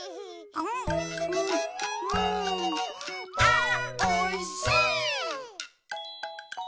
あおいしい！